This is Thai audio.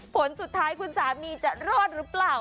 ผลสุดท้ายคุณสามีจะรอดหรือเปล่า